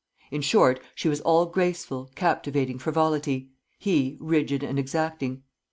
In short, she was all graceful, captivating frivolity; he, rigid and exacting.